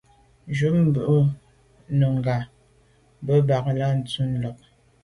Shúnɔ̀ cúp bú nùngà mbə̄ mbà tát lā nù lɔ̀ŋ.